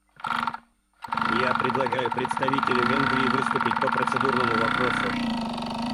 Я предлагаю представителю Венгрии выступить по процедурному вопросу.